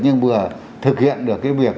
nhưng vừa thực hiện được cái việc